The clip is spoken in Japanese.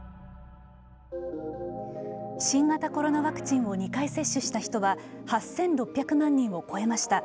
新型コロナワクチンを２回接種した人は８６００万人を超えました。